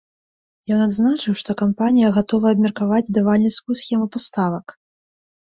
Ён адзначыў, што кампанія гатовая абмеркаваць і давальніцкую схему паставак.